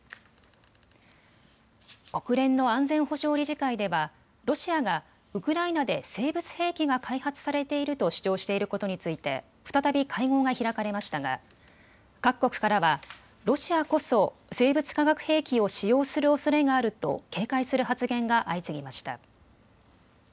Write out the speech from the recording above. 国連の安全保障理事会ではロシアがウクライナで生物兵器が開発されていると主張していることについて再び会合が開かれましたが各国からはロシアこそ生物化学兵器を使用するおそれがあると警戒する発言が相次ぎました。